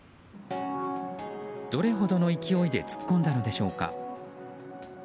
どれほどの勢いで突っ込んだのでしょうか。